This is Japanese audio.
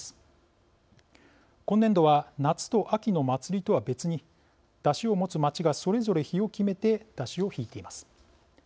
今年度は夏と秋の祭りとは別に山車を持つ町がそれぞれ日を決めて山車をひいています。